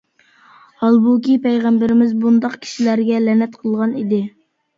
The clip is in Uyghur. ھالبۇكى، پەيغەمبىرىمىز بۇنداق كىشىلەرگە لەنەت قىلغان ئىدى.